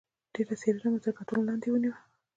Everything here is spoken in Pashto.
ډېره څېړنه مو تر کتلو لاندې ونیوه.